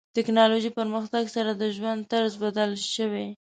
ټکنالوژي پرمختګ سره د ژوند طرز بدل شوی.